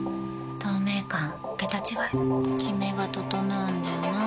透明感桁違いキメが整うんだよな。